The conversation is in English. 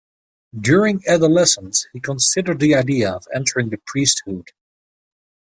During adolescence he considered the idea of entering the priesthood.